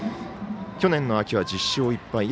去年の秋は１０勝１敗。